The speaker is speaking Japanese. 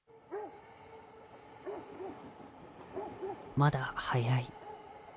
まだ早い。